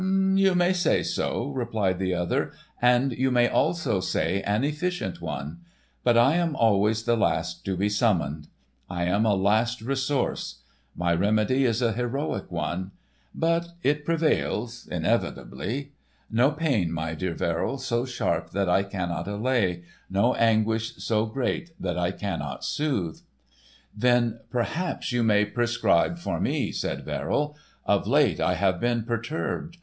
"You may say so," replied the other, "and you may also say an efficient one. But I am always the last to be summoned. I am a last resource; my remedy is a heroic one. But it prevails—inevitably. No pain, my dear Verrill, so sharp that I cannot allay, no anguish so great that I cannot soothe." "Then perhaps you may prescribe for me," said Verrill. "Of late I have been perturbed.